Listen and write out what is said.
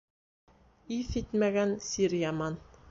Иҫ итмәгән сир яман